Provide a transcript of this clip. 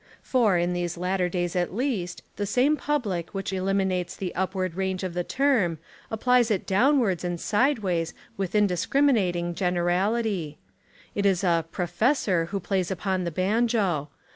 For, in these latter days at least, the same pub lic which eliminates the upward range of the 14 The Apology of a Professor term, applies it downwards and sideways with indiscriminating generality. It is a "profes sor" who plays upon the banjo.